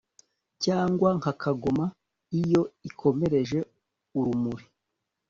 Cyangwa nka kagoma iyo ikomereje urumuri